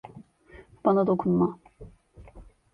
Bana dokunma.